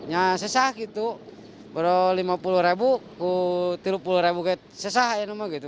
yang sesah gitu baru rp lima puluh rp tiga puluh kayak sesah ya nama gitu